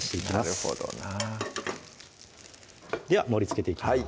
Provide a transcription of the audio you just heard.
なるほどなでは盛りつけていきます